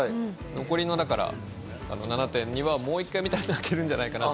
残りの７．２はもう１回見たら泣けるんじゃないかと。